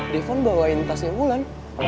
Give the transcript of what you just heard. defon bawain tasnya ulan